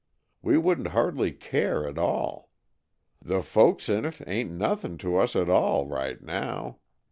We wouldn't hardly care at all. The folks in it ain't nothing to us at all, right now.